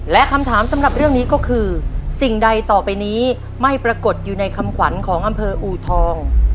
และคำถามสำหรับเรื่องนี้ก็คือสิ่งใดต่อไปนี้ไม่ปรากฏอยู่ในคำขวัญของอำเภออูทอง